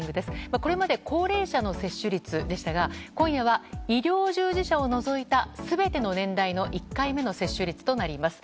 これまで高齢者の接種率でしたが今夜は医療従事者を除いた全ての年代の１回目の接種率となります。